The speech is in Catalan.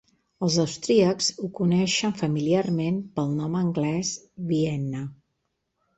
Els austríacs ho coneixen familiarment pel nom anglès "Vienna".